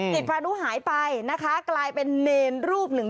พานุหายไปนะคะกลายเป็นเนรรูปหนึ่ง